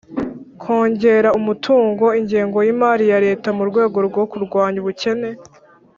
kongera umutungo, ingengo y'imali ya leta mu rwego rwo kurwanya ubukene.